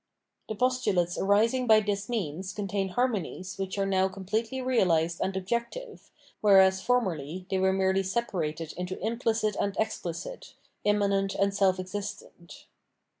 The postulates arising by this means con tain harmonies which are now completely realised and objective, whereas formerly they were merely separated into implicit and explicit, immanent and self existent.